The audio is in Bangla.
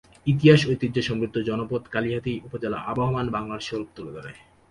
ইতিহাস ঐতিহ্যে সমৃদ্ধ জনপদ কালিহাতী উপজেলা আবহমান বাংলার স্বরূপ তুলে ধরে।